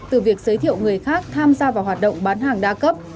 để giới thiệu người khác tham gia vào hoạt động bán hàng đa cấp